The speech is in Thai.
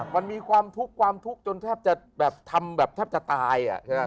มันมีความทุกข์จนทรัพย์แทบจะตาย